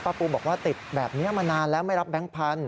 ปูบอกว่าติดแบบนี้มานานแล้วไม่รับแบงค์พันธ